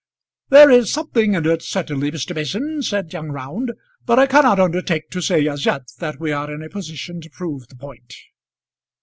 "There is something in it, certainly, Mr. Mason," said young Round; "but I cannot undertake to say as yet that we are in a position to prove the point."